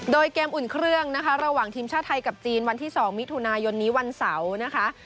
โดยเกมอุ่นเครื่องนะคะระหว่างทีมชาติไทยกับจีนวันที่๒มิถุนายนนี้วันเสาร์นะคะ